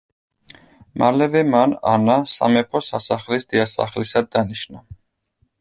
მალევე მან ანა სამეფო სასახლის დიასახლისად დანიშნა.